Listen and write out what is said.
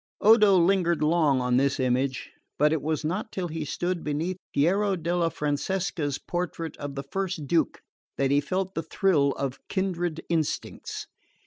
Odo lingered long on this image, but it was not till he stood beneath Piero della Francesca's portrait of the first Duke that he felt the thrill of kindred instincts.